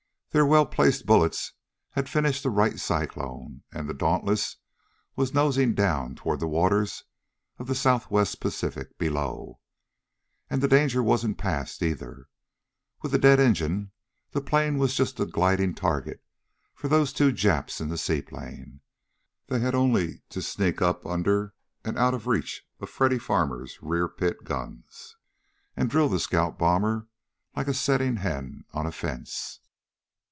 Their well placed bullets had finished the Wright Cyclone, and the Dauntless was nosing down toward the waters of the Southwest Pacific below. And the danger wasn't passed, either. With a dead engine the plane was just a gliding target for those two Japs in the seaplane. They had only to sneak up under and out of reach of Freddy Farmer's rear pit guns, and drill the scout bomber like a setting hen on a fence.